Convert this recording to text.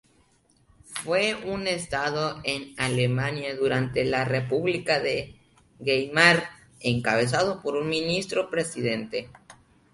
Fue un estado en Alemania durante la República de Weimar, encabezado por un Ministro-Presidente.